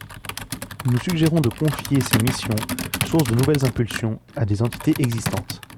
Nous suggérons de confier ces missions, sources de nouvelles impulsions, à des entités existantes.